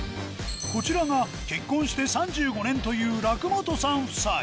こちらが結婚して３５年という楽本さん夫妻